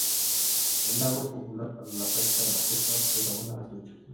El lago es popular para la práctica de la pesca, pues abundan las truchas.